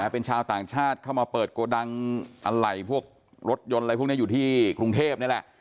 เป็นชาวต่างชาติเข้ามาเปิดโกดังอะไรพวกรถยนต์อะไรพวกนี้อยู่ที่กรุงเทพนี่แหละ